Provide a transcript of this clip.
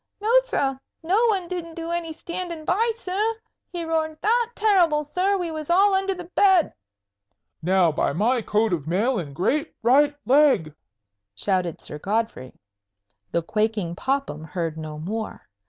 "No, sir; no one didn't do any standing by, sir. He roared that terrible, sir, we was all under the bed." "Now, by my coat of mail and great right leg!" shouted Sir Godfrey. The quaking Popham heard no more.